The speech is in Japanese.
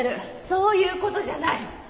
そういう事じゃない！